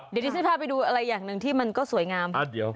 เดี๋ยวที่ฉันพาไปดูอะไรอย่างหนึ่งที่มันก็สวยงาม